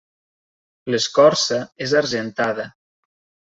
L'escorça és argentada.